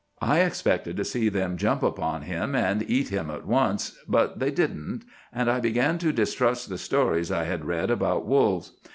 I expected to see them jump upon him and eat him at once, but they didn't; and I began to distrust the stories I had read about wolves.